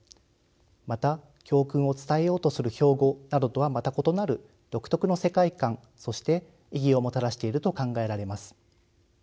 また教訓を伝えようとする標語などとはまた異なる独特の世界感そして意義をもたらしていると考えられます。